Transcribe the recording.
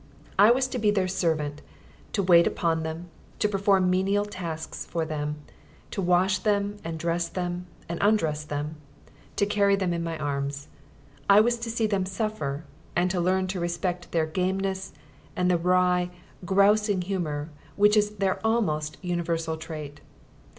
I was to be their servant, to wait upon them, to perform menial tasks for them, to wash them and dress them and undress them, to carry them in my arms. I was to see them suffer and to learn to respect their gameness, and the wry, "grousing" humour which is their almost universal trait.